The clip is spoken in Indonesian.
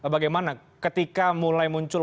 bagaimana ketika mulai muncul